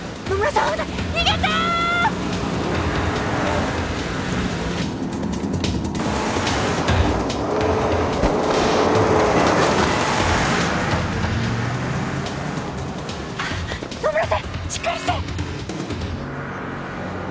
しっかりして！